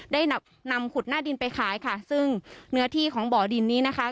ได้นำขุดหน้าดินไปขายค่ะซึ่งเนื้อที่ของบ่อดินนี้นะคะ